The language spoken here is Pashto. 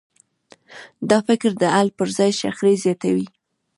دا فکر د حل پر ځای شخړې زیاتوي.